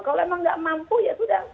kalau memang nggak mampu ya sudah